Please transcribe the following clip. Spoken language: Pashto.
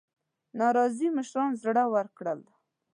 ناراضي مشران زړه ورکړل.